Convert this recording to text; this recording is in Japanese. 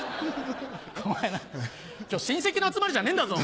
お前な今日親戚の集まりじゃねえんだぞ。